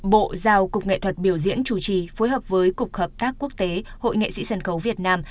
bộ giao cục nghệ thuật biểu diễn chủ trì phối hợp với cục hợp tác quốc tế hội nghệ sĩ sân khấu việt nam